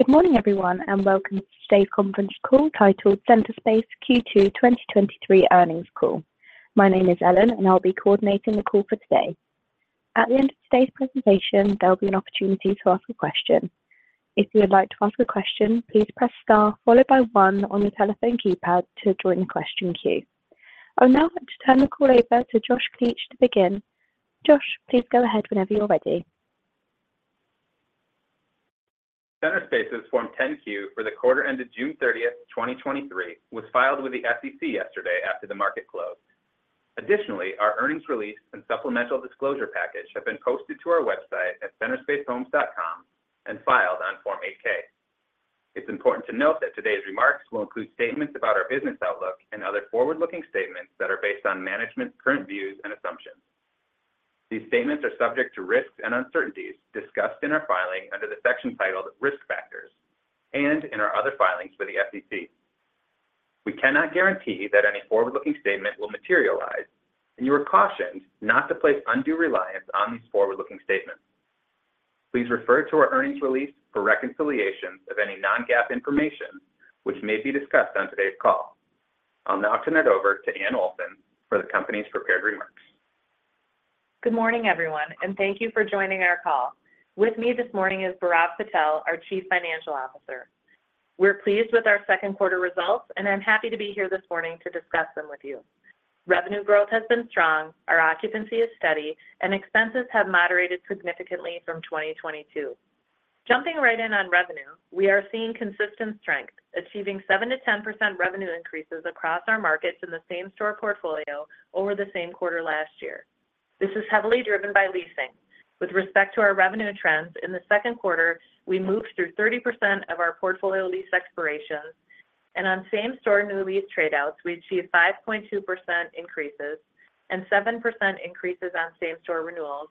Good morning, everyone, and welcome to today's conference call, titled Centerspace Q2 2023 Earnings Call. My name is Ellen, and I'll be coordinating the call for today. At the end of today's presentation, there will be an opportunity to ask a question. If you would like to ask a question, please press star followed by one on your telephone keypad to join the question queue. I would now like to turn the call over to Josh Klaetsch to begin. Josh, please go ahead whenever you're ready. Centerspace's Form 10-Q for the quarter ended June 30th, 2023, was filed with the SEC yesterday after the market closed. Additionally, our earnings release and supplemental disclosure package have been posted to our website at centerspacehomes.com and filed on Form 8-K. It's important to note that today's remarks will include statements about our business outlook and other forward-looking statements that are based on management's current views and assumptions. These statements are subject to risks and uncertainties discussed in our filing under the section titled Risk Factors and in our other filings with the SEC. We cannot guarantee that any forward-looking statement will materialize, and you are cautioned not to place undue reliance on these forward-looking statements. Please refer to our earnings release for reconciliations of any non-GAAP information which may be discussed on today's call. I'll now turn it over to Anne Olson for the company's prepared remarks. Good morning, everyone, and thank you for joining our call. With me this morning is Bhairav Patel, our Chief Financial Officer. We're pleased with our second quarter results. I'm happy to be here this morning to discuss them with you. Revenue growth has been strong, our occupancy is steady, and expenses have moderated significantly from 2022. Jumping right in on revenue, we are seeing consistent strength, achieving 7%-10% revenue increases across our markets in the same-store portfolio over the same quarter last year. This is heavily driven by leasing. With respect to our revenue trends, in the second quarter, we moved through 30% of our portfolio lease expirations. On same-store new lease trade-out, we achieved 5.2% increases and 7% increases on same-store renewals.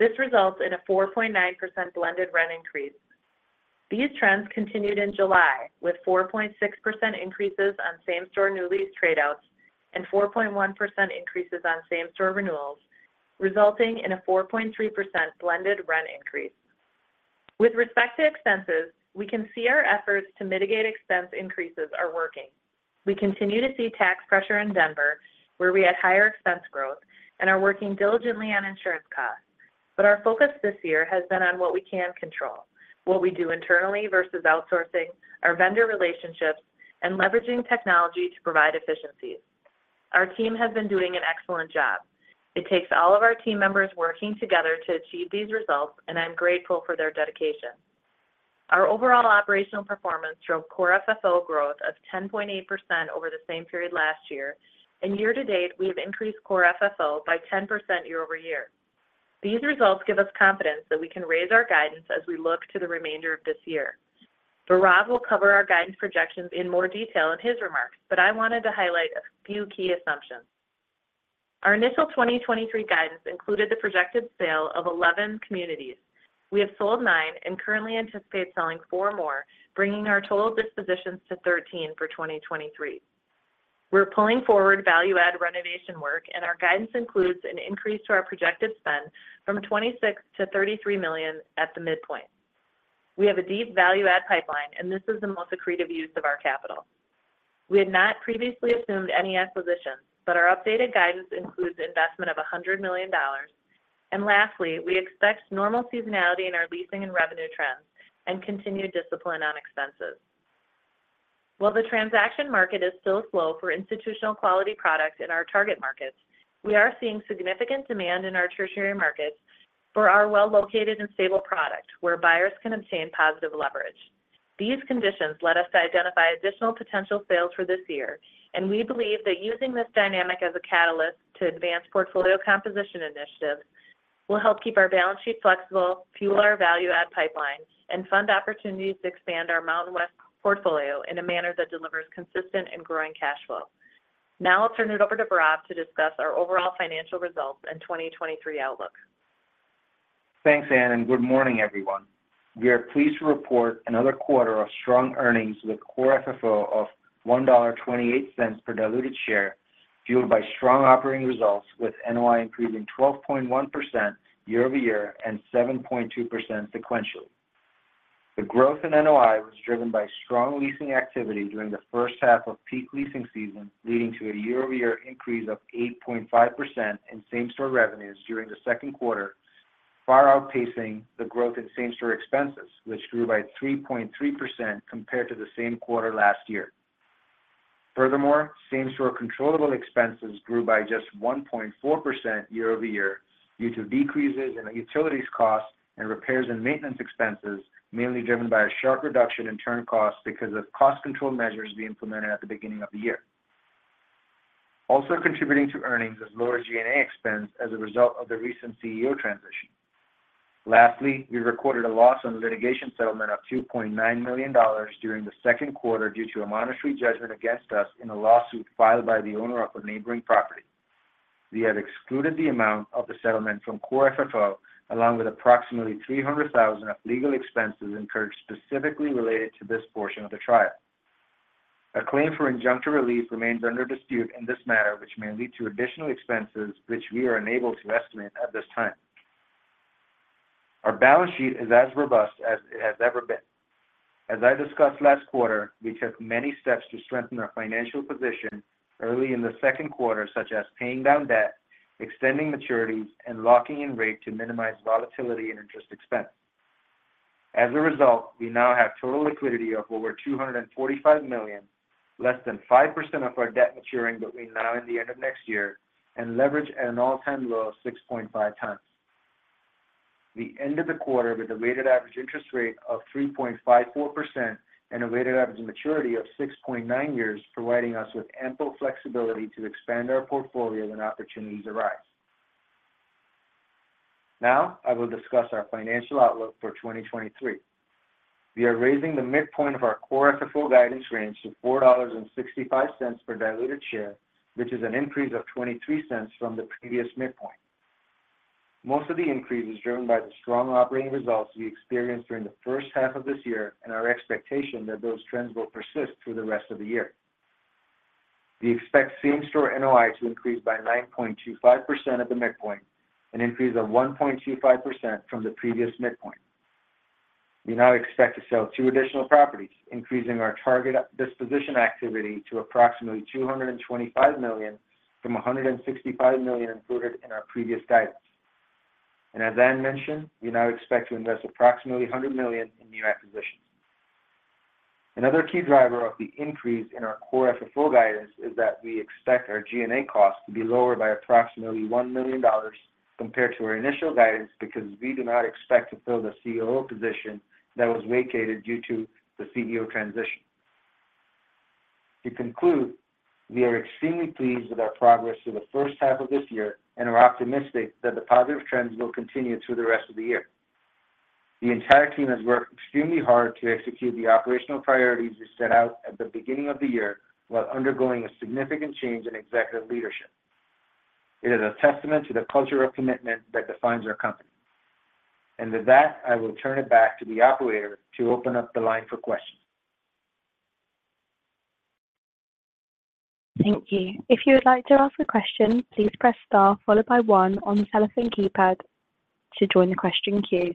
This results in a 4.9% blended rent increase. These trends continued in July, with 4.6% increases on same-store new lease lease trade-out and 4.1% increases on same-store renewals, resulting in a 4.3% blended rent increase. With respect to expenses, we can see our efforts to mitigate expense increases are working. We continue to see tax pressure in Denver, where we had higher expense growth and are working diligently on insurance costs. Our focus this year has been on what we can control, what we do internally versus outsourcing, our vendor relationships, and leveraging technology to provide efficiencies. Our team has been doing an excellent job. It takes all of our team members working together to achieve these results, and I'm grateful for their dedication. Our overall operational performance drove Core FFO growth of 10.8% over the same period last year. Year-to-date, we have increased Core FFO by 10% year-over-year. These results give us confidence that we can raise our guidance as we look to the remainder of this year. Bhairav will cover our guidance projections in more detail in his remarks. I wanted to highlight a few key assumptions. Our initial 2023 guidance included the projected sale of 11 communities. We have sold 9 and currently anticipate selling 4 more, bringing our total dispositions to 13 for 2023. We're pulling forward value-add renovation work. Our guidance includes an increase to our projected spend from $26 million-$33 million at the midpoint. We have a deep value-add pipeline. This is the most accretive use of our capital. We had not previously assumed any acquisitions, but our updated guidance includes investment of $100 million. Lastly, we expect normal seasonality in our leasing and revenue trends and continued discipline on expenses. While the transaction market is still slow for institutional quality products in our target markets, we are seeing significant demand in our tertiary markets for our well-located and stable product, where buyers can obtain positive leverage. These conditions let us identify additional potential sales for this year, and we believe that using this dynamic as a catalyst to advance portfolio composition initiatives will help keep our balance sheet flexible, fuel our value-add pipeline, and fund opportunities to expand our Mountain West portfolio in a manner that delivers consistent and growing cash flow. I'll turn it over to Bhairav to discuss our overall financial results and 2023 outlook. Thanks, Anne, good morning, everyone. We are pleased to report another quarter of strong earnings with Core FFO of $1.28 per diluted share, fueled by strong operating results, with NOI increasing 12.1% year-over-year and 7.2% sequentially. The growth in NOI was driven by strong leasing activity during the first half of peak leasing season, leading to a year-over-year increase of 8.5% in same-store revenues during the second quarter, far outpacing the growth in same-store expenses, which grew by 3.3% compared to the same quarter last year. Furthermore, same-store controllable expenses grew by just 1.4% year-over-year due to decreases in utilities costs and repairs and maintenance expenses, mainly driven by a sharp reduction in turn costs because of cost control measures we implemented at the beginning of the year. Contributing to earnings is lower G&A expense as a result of the recent CEO transition. Lastly, we recorded a loss on the litigation settlement of $2.9 million during the second quarter due to a monetary judgment against us in a lawsuit filed by the owner of a neighboring property. We have excluded the amount of the settlement from core FFO, along with approximately $300,000 of legal expenses incurred specifically related to this portion of the trial. A claim for injunctive relief remains under dispute in this matter, which may lead to additional expenses, which we are unable to estimate at this time. Our balance sheet is as robust as it has ever been. As I discussed last quarter, we took many steps to strengthen our financial position early in the second quarter, such as paying down debt, extending maturities, and locking in rate to minimize volatility and interest expense. As a result, we now have total liquidity of over $245 million, less than 5% of our debt maturing between now and the end of next year, and leverage at an all-time low of 6.5x. We ended the quarter with a weighted average interest rate of 3.54% and a weighted average maturity of 6.9 years, providing us with ample flexibility to expand our portfolio when opportunities arise. I will discuss our financial outlook for 2023. We are raising the midpoint of our Core FFO guidance range to $4.65 per diluted share, which is an increase of $0.23 from the previous midpoint. Most of the increase is driven by the strong operating results we experienced during the first half of this year and our expectation that those trends will persist through the rest of the year. We expect same-store NOI to increase by 9.25% at the midpoint, an increase of 1.25% from the previous midpoint. We now expect to sell two additional properties, increasing our target disposition activity to approximately $225 million from $165 million included in our previous guidance. As Anne mentioned, we now expect to invest approximately $100 million in new acquisitions. Another key driver of the increase in our Core FFO guidance is that we expect our G&A costs to be lower by approximately $1 million compared to our initial guidance, because we do not expect to fill the COO position that was vacated due to the CEO transition. To conclude, we are extremely pleased with our progress through the first half of this year and are optimistic that the positive trends will continue through the rest of the year. The entire team has worked extremely hard to execute the operational priorities we set out at the beginning of the year, while undergoing a significant change in executive leadership. It is a testament to the culture of commitment that defines our company. With that, I will turn it back to the Operator to open up the line for questions. Thank you. If you would like to ask a question, please press star followed by one on your telephone keypad to join the question queue.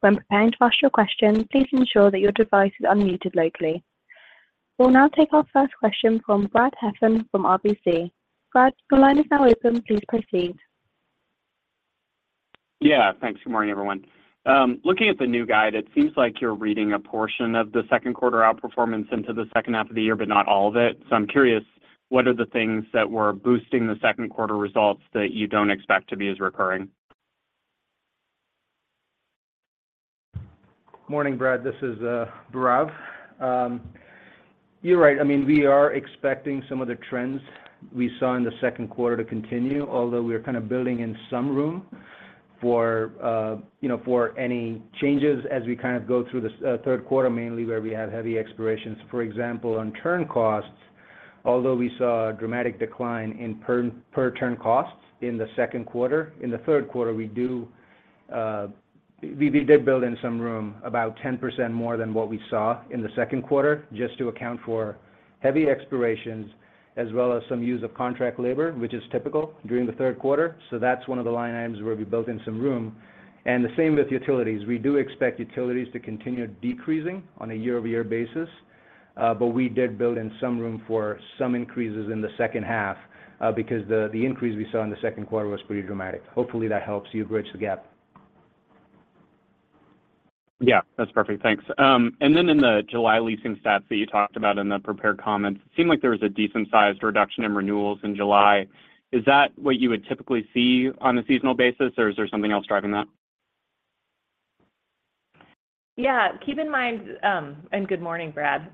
When preparing to ask your question, please ensure that your device is unmuted locally. We'll now take our first question from Brad Heffern from RBC. Brad, your line is now open. Please proceed. Thanks. Good morning, everyone. Looking at the new guide, it seems like you're reading a portion of the second quarter outperformance into the second half of the year, but not all of it. I'm curious, what are the things that were boosting the second quarter results that you don't expect to be as recurring? Morning, Brad. This is Bhairav. You're right. I mean, we are expecting some of the trends we saw in the second quarter to continue, although we are kind of building in some room, you know, for any changes as we kind of go through this third quarter, mainly where we have heavy expirations. For example, on turn costs, although we saw a dramatic decline in per turn costs in the second quarter, in the third quarter, we did build in some room, about 10% more than what we saw in the second quarter, just to account for heavy expirations, as well as some use of contract labor, which is typical during the third quarter. That's one of the line items where we built in some room. The same with utilities. We do expect utilities to continue decreasing on a year-over-year basis, but we did build in some room for some increases in the second half, because the increase we saw in the second quarter was pretty dramatic. Hopefully, that helps you bridge the gap. Yeah, that's perfect. Thanks. In the July leasing stats that you talked about in the prepared comments, it seemed like there was a decent-sized reduction in renewals in July. Is that what you would typically see on a seasonal basis, or is there something else driving that? Yeah. Good morning, Brad.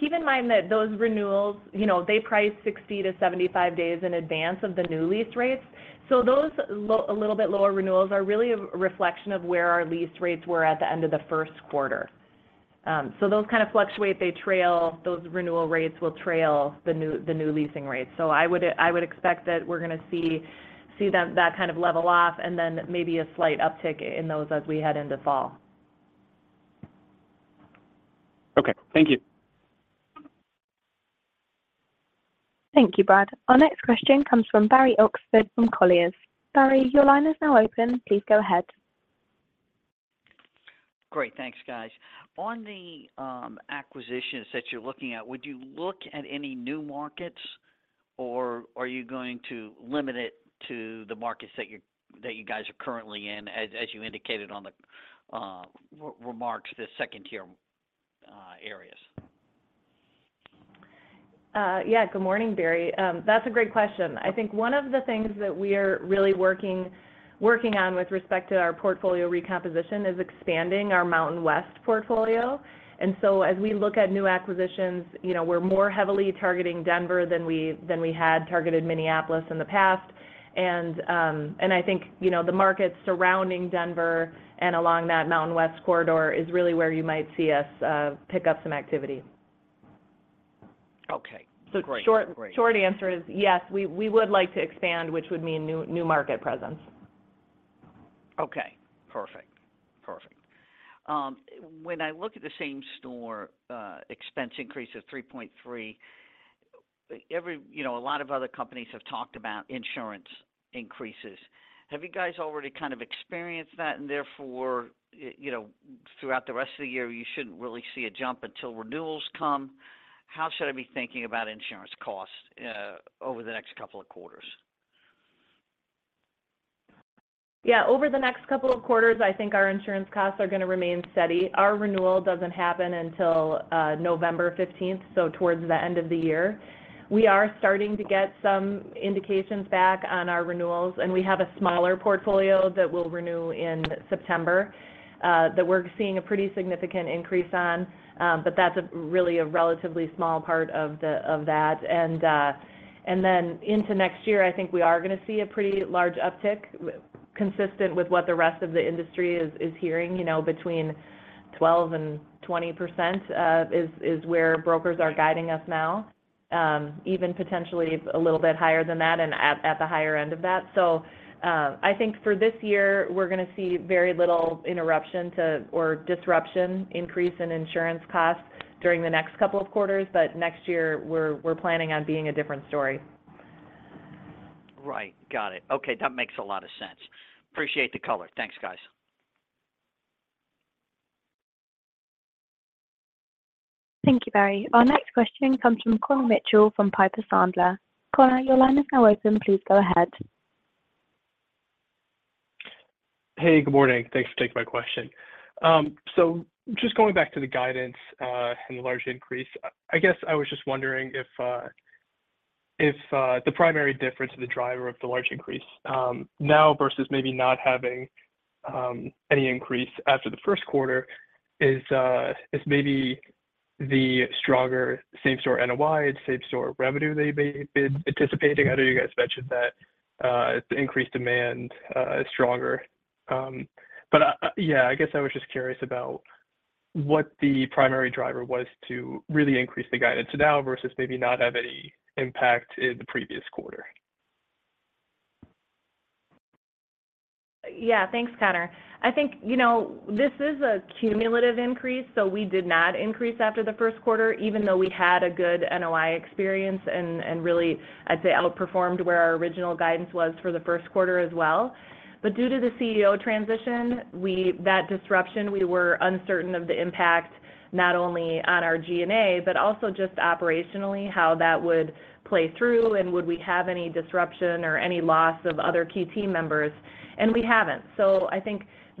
Keep in mind that those renewals, you know, they price 60 to 75 days in advance of the new lease rates. Those a little bit lower renewals are really a reflection of where our lease rates were at the end of the first quarter. Those kind of fluctuate, they trail. Those renewal rates will trail the new leasing rates. I would, I would expect that we're going to see that kind of level off, and then maybe a slight uptick in those as we head into fall. Okay. Thank you. Thank you, Brad. Our next question comes from Barry Oxford from Colliers. Barry, your line is now open. Please go ahead. Great. Thanks, guys. On the acquisitions that you're looking at, would you look at any new markets, or are you going to limit it to the markets that you guys are currently in as you indicated on the re-remarks, the second tier areas? Yeah. Good morning, Barry. That's a great question. I think one of the things that we are really working on with respect to our portfolio recomposition is expanding our Mountain West portfolio. So as we look at new acquisitions, you know, we're more heavily targeting Denver than we had targeted Minneapolis in the past. I think, you know, the markets surrounding Denver and along that Mountain West corridor is really where you might see us pick up some activity. Okay. Great. Short, short answer is yes, we would like to expand, which would mean new market presence. Okay, perfect. Perfect. When I look at the same-store expense increase of 3.3, every, you know, a lot of other companies have talked about insurance increases. Have you guys already kind of experienced that, and therefore, you know, throughout the rest of the year, you shouldn't really see a jump until renewals come? How should I be thinking about insurance costs over the next couple of quarters? Yeah, over the next couple of quarters, I think our insurance costs are gonna remain steady. Our renewal doesn't happen until November 15th, so towards the end of the year. We are starting to get some indications back on our renewals, and we have a smaller portfolio that will renew in September, that we're seeing a pretty significant increase on. But that's a really a relatively small part of that. Then into next year, I think we are gonna see a pretty large uptick consistent with what the rest of the industry is hearing, you know, between 12% and 20% is where brokers are guiding us now. Even potentially a little bit higher than that and at the higher end of that. I think for this year, we're gonna see very little interruption or disruption increase in insurance costs during the next couple of quarters, but next year, we're planning on being a different story. Right. Got it. Okay, that makes a lot of sense. Appreciate the color. Thanks, guys. Thank you, Barry. Our next question comes from Connor Mitchell from Piper Sandler. Connor, your line is now open. Please go ahead. Hey, good morning. Thanks for taking my question. Just going back to the guidance and the large increase, I guess I was just wondering if the primary difference of the driver of the large increase now versus maybe not having any increase after the first quarter is maybe the stronger same-store NOI, same-store revenue that you've been anticipating. I know you guys mentioned that the increased demand is stronger. Yeah, I guess I was just curious about what the primary driver was to really increase the guidance now versus maybe not have any impact in the previous quarter. Yeah. Thanks, Connor. I think, you know, this is a cumulative increase. We did not increase after the first quarter, even though we had a good NOI experience and really, I'd say, outperformed where our original guidance was for the first quarter as well. Due to the CEO transition, that disruption, we were uncertain of the impact, not only on our G&A, but also just operationally, how that would play through, and would we have any disruption or any loss of other key team members? We haven't. I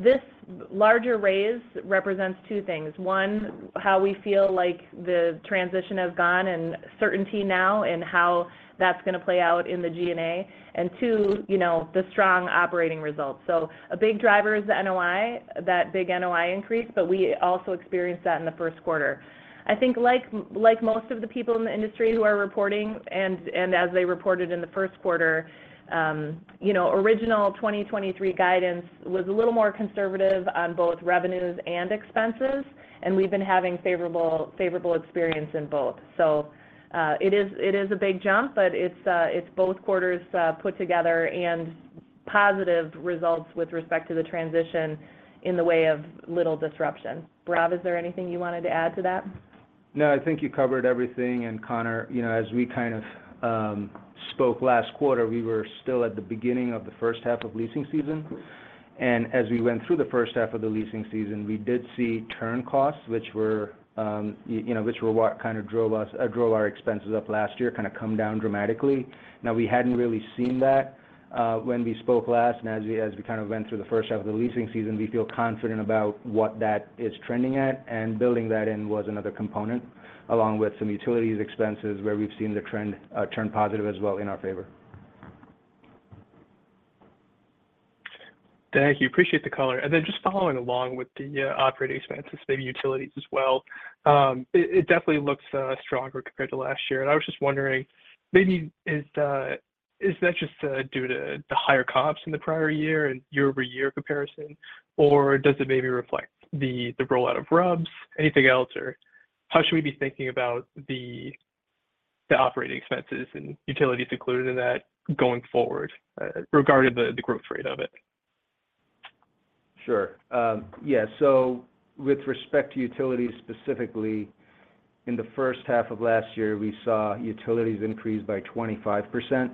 think this larger raise represents two things. One, how we feel like the transition has gone and certainty now and how that's gonna play out in the G&A, and two, you know, the strong operating results. A big driver is the NOI, that big NOI increase. We also experienced that in the first quarter. I think like most of the people in the industry who are reporting and as they reported in the first quarter, you know, original 2023 guidance was a little more conservative on both revenues and expenses, and we've been having favorable experience in both. It is a big jump, but it's both quarters, put together and positive results with respect to the transition in the way of little disruption. Bhairav, is there anything you wanted to add to that? No, I think you covered everything. Connor, you know, as we kind of spoke last quarter, we were still at the beginning of the first half of leasing season. As we went through the first half of the leasing season, we did see turn costs, which were, you know, which were what kinda drove our expenses up last year, kind of come down dramatically. Now, we hadn't really seen that when we spoke last, and as we kind of went through the first half of the leasing season, we feel confident about what that is trending at, and building that in was another component, along with some utilities expenses, where we've seen the trend turn positive as well in our favor. Thank you. Appreciate the color. Then just following along with the operating expenses, maybe utilities as well, it, it definitely looks stronger compared to last year. I was just wondering, maybe is that just due to the higher costs in the prior year and year-over-year comparison, or does it maybe reflect the rollout of RUBS, anything else, or how should we be thinking about the operating expenses and utilities included in that going forward, regarding the growth rate of it? Sure. With respect to utilities, specifically, in the first half of last year, we saw utilities increase by 25%.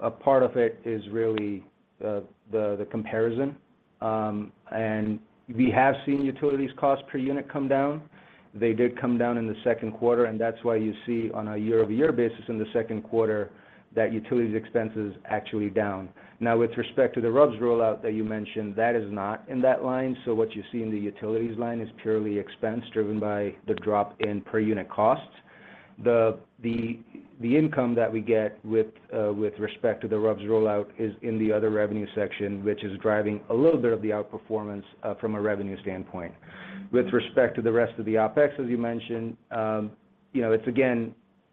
A part of it is really the comparison. We have seen utilities cost per unit come down. They did come down in the second quarter, that's why you see on a year-over-year basis in the second quarter, that utilities expense is actually down. With respect to the RUBS rollout that you mentioned, that is not in that line, what you see in the utilities line is purely expense driven by the drop in per unit costs. The income that we get with respect to the RUBS rollout is in the other revenue section, which is driving a little bit of the outperformance from a revenue standpoint. With respect to the rest of the OpEx, as you mentioned, you know, it's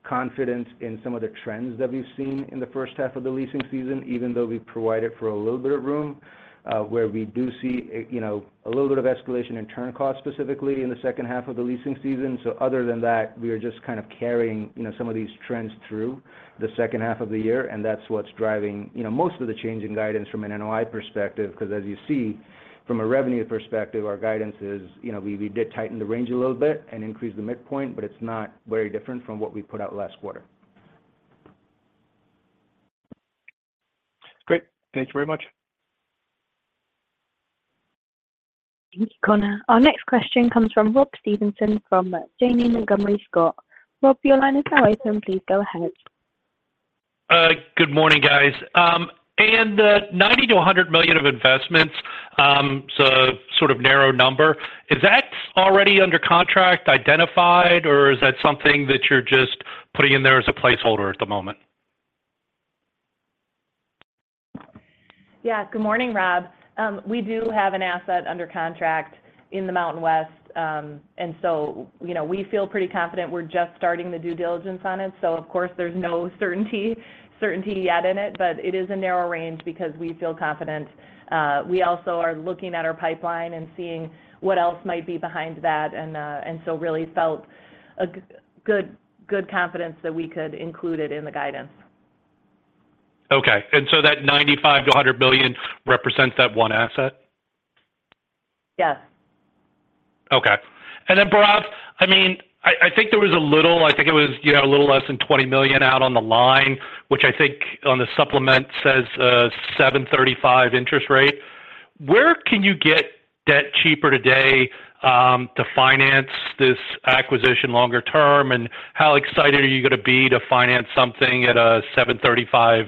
confidence in some of the trends that we've seen in the first half of the leasing season, even though we've provided for a little bit of room, where we do see, you know, a little bit of escalation in turn cost, specifically in the second half of the leasing season. Other than that, we are just kind of carrying, you know, some of these trends through the second half of the year, and that's what's driving, you know, most of the change in guidance from an NOI perspective. 'Cause as you see from a revenue perspective, our guidance is, you know, we did tighten the range a little bit and increase the midpoint, but it's not very different from what we put out last quarter. Great. Thank you very much. Thank you, Connor. Our next question comes from Robert Stevenson from Janney Montgomery Scott. Rob, your line is now open. Please go ahead. Good morning, guys. 90-$100 million of investments is a sort of narrow number. Is that already under contract identified, or is that something that you're just putting in there as a placeholder at the moment? Yeah. Good morning, Rob. We do have an asset under contract in the Mountain West. You know, we feel pretty confident. We're just starting the due diligence on it, so of course, there's no certainty yet in it, but it is a narrow range because we feel confident. We also are looking at our pipeline and seeing what else might be behind that, and so really felt a good confidence that we could include it in the guidance. Okay. That $95 million-$100 million represents that one asset? Yes. Okay. Then, Bhairav, I mean, you had a little less than $20 million out on the line, which I think on the supplement says, 7.35% interest rate. Where can you get debt cheaper today to finance this acquisition longer term? How excited are you gonna be to finance something at a 7.35%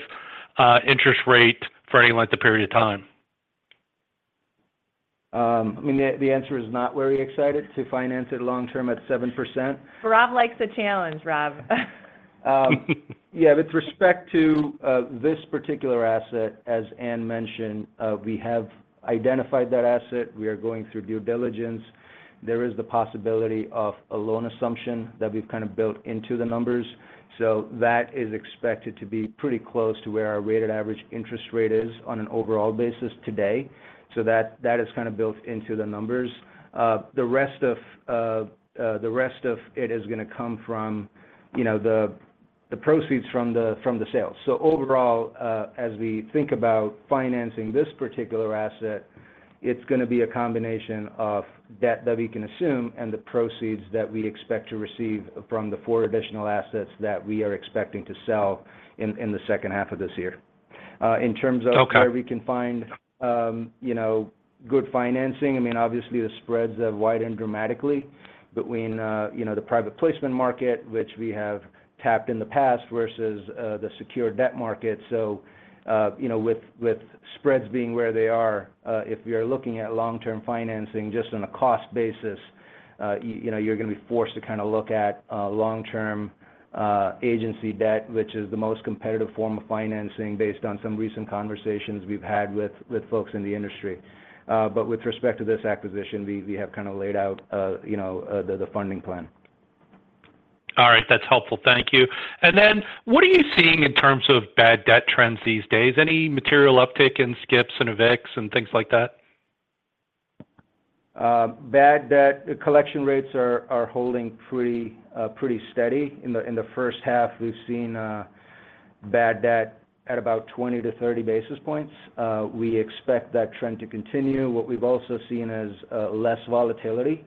interest rate for any length of period of time? I mean, the answer is not very excited to finance it long term at 7%. Bhairav likes a challenge, Rob. Yeah, with respect to this particular asset, as Anne mentioned, we have identified that asset. We are going through due diligence. There is the possibility of a loan assumption that we've kind of built into the numbers. That is expected to be pretty close to where our weighted average interest rate is on an overall basis today. That is kind of built into the numbers. The rest of it is gonna come from, you know, the, the proceeds from the sales. Overall, as we think about financing this particular asset, it's gonna be a combination of debt that we can assume and the proceeds that we expect to receive from the four additional assets that we are expecting to sell in the second half of this year. Okay. In terms of where we can find, you know, good financing, I mean, obviously, the spreads have widened dramatically between, you know, the private placement market, which we have tapped in the past, versus the secured debt market. With spreads being where they are, if we are looking at long-term financing just on a cost basis, you know, you're gonna be forced to kind of look at long-term agency debt, which is the most competitive form of financing based on some recent conversations we've had with folks in the industry. But with respect to this acquisition, we have kind of laid out, you know, the funding plan. All right. That's helpful. Thank you. What are you seeing in terms of bad debt trends these days? Any material uptick in skips and evicts and things like that? Bad debt collection rates are holding pretty steady. In the first half, we've seen bad debt at about 20 basis points-30 basis points. We expect that trend to continue. What we've also seen is less volatility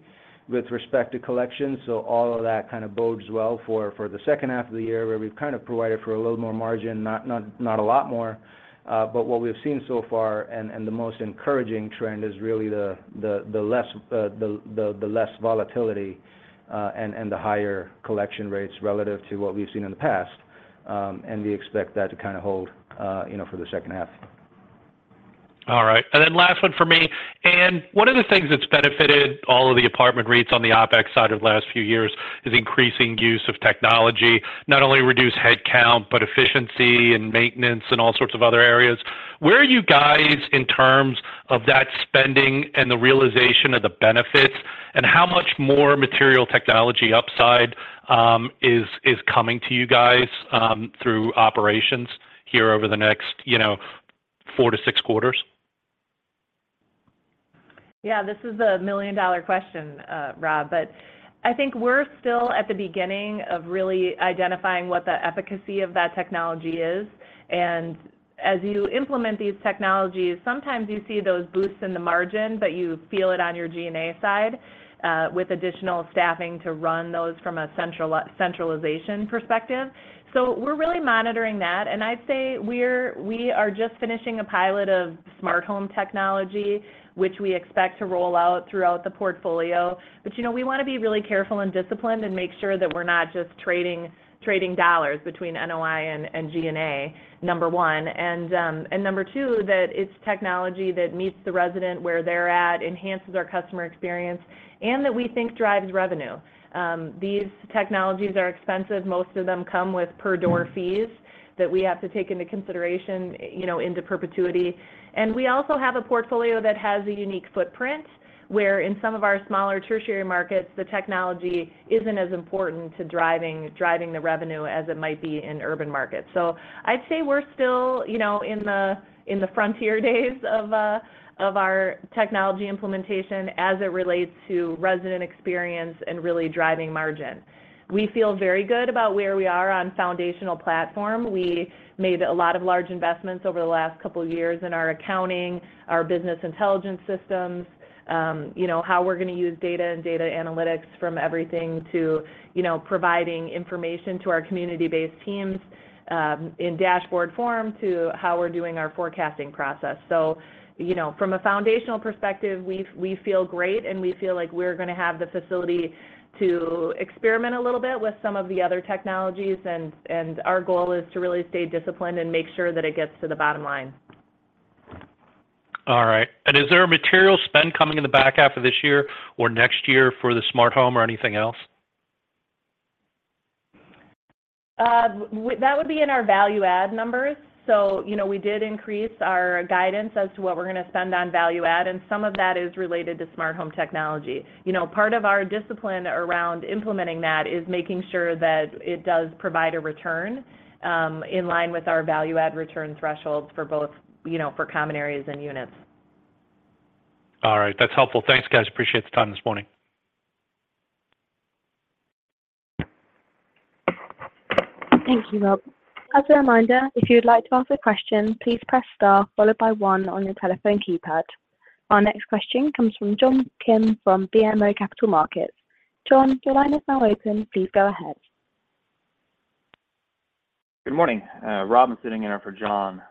with respect to collection. All of that kind of bodes well for the second half of the year, where we've kind of provided for a little more margin, not a lot more, but what we've seen so far, and the most encouraging trend is really the less volatility, and the higher collection rates relative to what we've seen in the past. We expect that to kind of hold, you know, for the second half. All right. Then last one for me. Anne, one of the things that's benefited all of the apartment rates on the OpEx side of the last few years is increasing use of technology. Not only reduce headcount, but efficiency and maintenance and all sorts of other areas. Where are you guys in terms of that spending and the realization of the benefits, and how much more material technology upside is coming to you guys, through operations here over the next, you know, four to six quarters? Yeah, this is the million-dollar question, Rob, but I think we're still at the beginning of really identifying what the efficacy of that technology is. As you implement these technologies, sometimes you see those boosts in the margin, but you feel it on your G&A side, with additional staffing to run those from a centralization perspective. We're really monitoring that, and I'd say we are just finishing a pilot of smart home technology, which we expect to roll out throughout the portfolio. You know, we wanna be really careful and disciplined and make sure that we're not just trading dollars between NOI and G&A, number one. Number two, that it's technology that meets the resident where they're at, enhances our customer experience, and that we think drives revenue. These technologies are expensive. Most of them come with per-door fees that we have to take into consideration, you know, into perpetuity. We also have a portfolio that has a unique footprint, where in some of our smaller tertiary markets, the technology isn't as important to driving the revenue as it might be in urban markets. I'd say we're still, you know, in the frontier days of our technology implementation as it relates to resident experience and really driving margin. We feel very good about where we are on foundational platform. We made a lot of large investments over the last couple of years in our accounting, our business intelligence systems, you know, how we're gonna use data and data analytics from everything to, you know, providing information to our community-based teams, in dashboard form, to how we're doing our forecasting process. You know, from a foundational perspective, we feel great, and we feel like we're gonna have the facility to experiment a little bit with some of the other technologies. And our goal is to really stay disciplined and make sure that it gets to the bottom line. All right. Is there a material spend coming in the back half of this year or next year for the smart home or anything else? That would be in our value-add numbers. You know, we did increase our guidance as to what we're gonna spend on value-add, and some of that is related to smart home technology. You know, part of our discipline around implementing that is making sure that it does provide a return in line with our value-add return thresholds for both, you know, for common areas and units. All right. That's helpful. Thanks, guys. Appreciate the time this morning. Thank you, Rob. As a reminder, if you'd like to ask a question, please press star, followed by one on your telephone keypad. Our next question comes from John Kim from BMO Capital Markets. John, your line is now open. Please go ahead. Good morning, Rob. I'm sitting in here for John.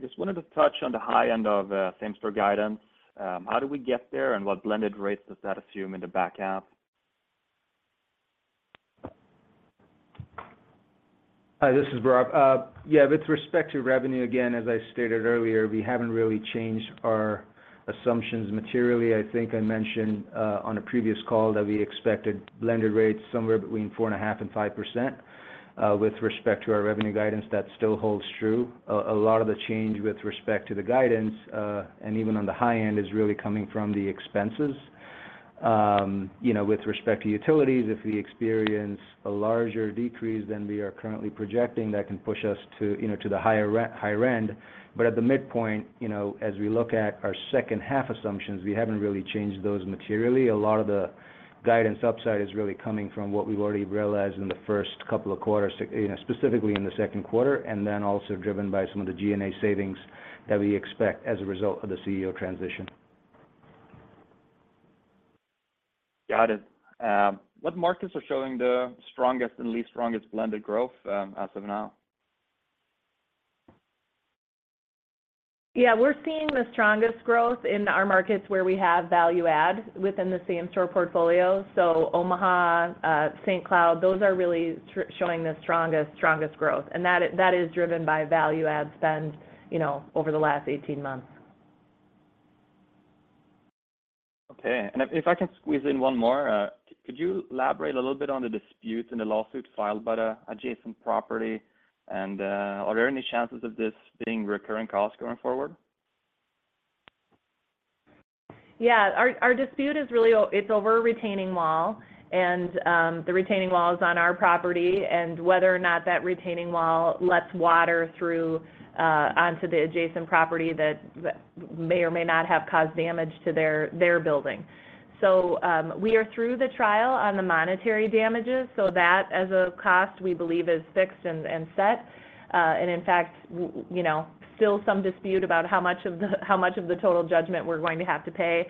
Just wanted to touch on the high end of same store guidance. How do we get there, and what blended rates does that assume in the back half? Hi, this is Bhairav. Yeah, with respect to revenue, again, as I stated earlier, we haven't really changed our assumptions materially. I think I mentioned on a previous call that we expected blended rates somewhere between 4.5% and 5%. With respect to our revenue guidance, that still holds true. A lot of the change with respect to the guidance, and even on the high end, is really coming from the expenses. You know, with respect to utilities, if we experience a larger decrease than we are currently projecting, that can push us to, you know, the higher higher end. At the midpoint, you know, as we look at our second half assumptions, we haven't really changed those materially. A lot of the guidance upside is really coming from what we've already realized in the first couple of quarters, specifically in the second quarter, and then also driven by some of the G&A savings that we expect as a result of the CEO transition. Got it. What markets are showing the strongest and least strongest blended growth as of now? Yeah, we're seeing the strongest growth in our markets where we have value-add within the same-store portfolio. Omaha, St. Cloud, those are really showing the strongest, strongest growth, and that is, that is driven by value-add spend, you know, over the last 18 months. Okay. If I can squeeze in one more, could you elaborate a little bit on the dispute and the lawsuit filed by the adjacent property? Are there any chances of this being recurring costs going forward? Yeah. Our dispute is really it's over a retaining wall, and the retaining wall is on our property, and whether or not that retaining wall lets water through onto the adjacent property, that may or may not have caused damage to their building. We are through the trial on the monetary damages, so that, as a cost, we believe is fixed and set. In fact, you know, still some dispute about how much of the total judgment we're going to have to pay.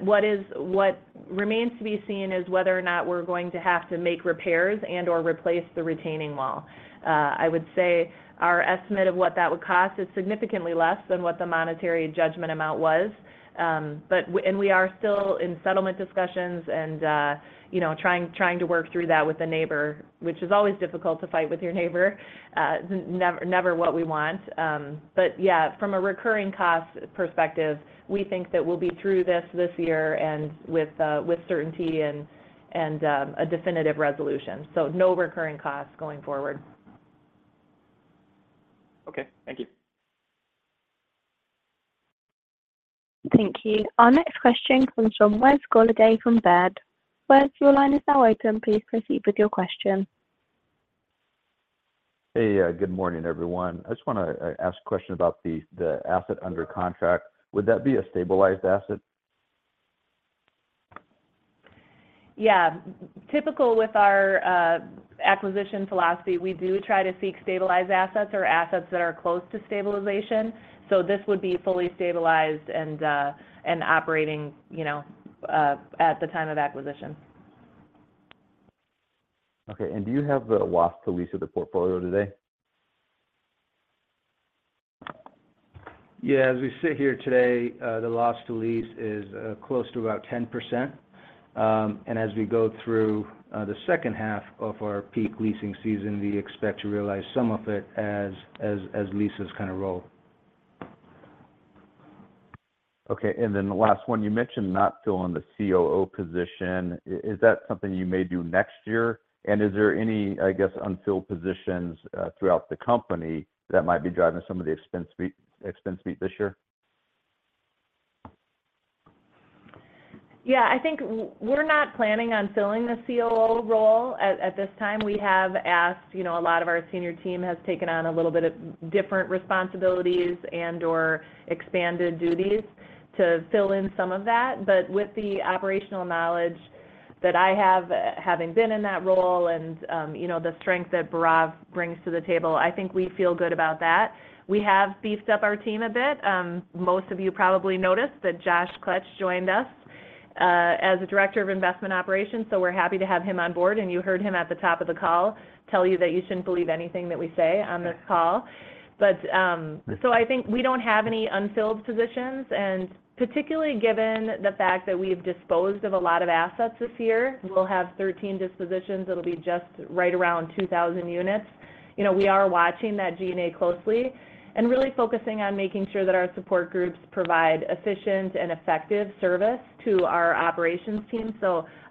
What remains to be seen is whether or not we're going to have to make repairs and/or replace the retaining wall. I would say our estimate of what that would cost is significantly less than what the monetary judgment amount was. We are still in settlement discussions and, you know, trying to work through that with the neighbor, which is always difficult to fight with your neighbor. Never what we want. Yeah, from a recurring cost perspective, we think that we'll be through this this year and with certainty and a definitive resolution, so no recurring costs going forward. Okay. Thank you. Thank you. Our next question comes from Wes Golladay from Baird. Wes, your line is now open. Please proceed with your question. Hey, good morning, everyone. I just wanna ask a question about the asset under contract. Would that be a stabilized asset? Yeah. Typical with our acquisition philosophy, we do try to seek stabilized assets or assets that are close to stabilization, so this would be fully stabilized and operating, you know, at the time of acquisition. Okay. Do you have the loss to lease of the portfolio today? Yeah. As we sit here today, the loss to lease is close to about 10%. As we go through the second half of our peak leasing season, we expect to realize some of it as leases kind of roll. Okay, the last one. You mentioned not filling the COO position. Is that something you may do next year? Is there any, I guess, unfilled positions throughout the company that might be driving some of the expense fee this year? Yeah, I think we're not planning on filling the COO role at this time. We have asked, you know, a lot of our senior team has taken on a little bit of different responsibilities and/or expanded duties to fill in some of that. With the operational knowledge that I have, having been in that role and, you know, the strength that Bhairav brings to the table, I think we feel good about that. We have beefed up our team a bit. Most of you probably noticed that Joshua Klaetsch joined us as a Director of Investment Operations, so we're happy to have him on board, and you heard him at the top of the call tell you that you shouldn't believe anything that we say on this call. I think we don't have any unfilled positions, and particularly given the fact that we've disposed of a lot of assets this year, we'll have 13 dispositions. It'll be just right around 2,000 units. You know, we are watching that G&A closely and really focusing on making sure that our support groups provide efficient and effective service to our operations team.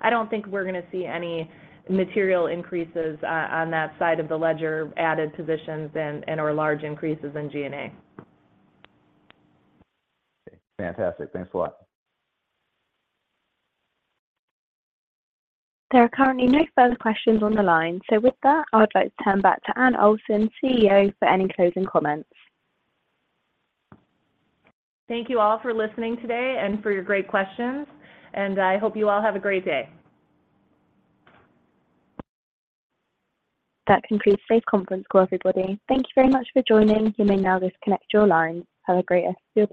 I don't think we're gonna see any material increases on that side of the ledger, added positions and/or large increases in G&A. Okay. Fantastic. Thanks a lot. There are currently no further questions on the line. With that, I would like to turn back to Anne Olson, CEO, for any closing comments. Thank you all for listening today and for your great questions, and I hope you all have a great day. That concludes today's conference call, everybody. Thank you very much for joining. You may now disconnect your lines. Have a great rest of your day.